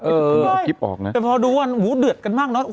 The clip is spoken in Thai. เออแต่พอดูวันหูเดือดกันมากเนอะ